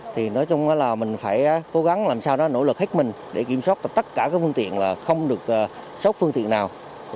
thì nói chung là mình phải cố gắng làm sao đó nỗ lực hết mình để kiểm soát tất cả các phương tiện là không được sốc phương tiện nào